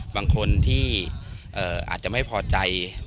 บางคนที่อาจจะไม่พอใจ